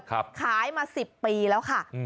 ขายมา๑๐ปีแล้วค่ะ